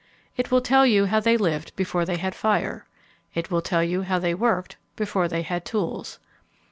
It will tell you how they lived before they had fire. It will tell you how they worked before they had tools.